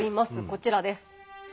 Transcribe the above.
こちらです。